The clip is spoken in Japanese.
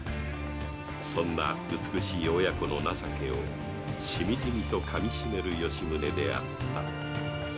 そんな美しい親子の情けをしみじみとかみしめる吉宗であった